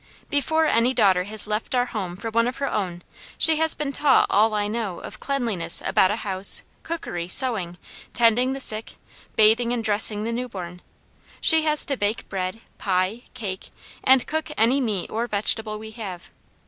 "Before any daughter has left our home for one of her own, she has been taught all I know of cleanliness about a house, cookery, sewing, tending the sick, bathing and dressing the new born. She has to bake bread, pie, cake, and cook any meat or vegetable we have.